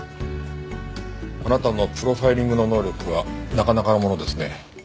あなたのプロファイリングの能力はなかなかのものですね。